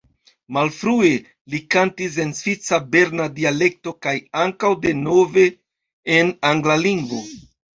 Malfrue li kantis en svisa berna dialekto, kaj ankaŭ de nove en angla lingvo.